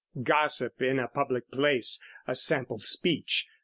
Gossip in a public place, a sample speech.